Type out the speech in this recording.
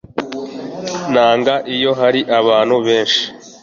Nanga iyo hari abantu benshi